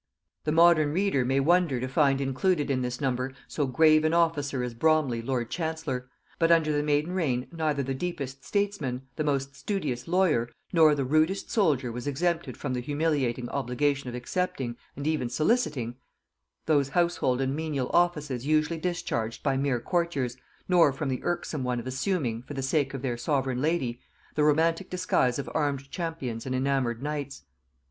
The modern reader may wonder to find included in this number so grave an officer as Bromley lord chancellor; but under the maiden reign neither the deepest statesman, the most studious lawyer, nor the rudest soldier was exempted from the humiliating obligation of accepting, and even soliciting, those household and menial offices usually discharged by mere courtiers, nor from the irksome one of assuming, for the sake of their sovereign lady, the romantic disguise of armed champions and enamoured knights.